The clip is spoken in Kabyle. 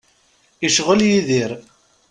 Icɣel Yidir.